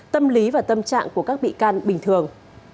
tâm lý và tâm trạng của các bị can bình thường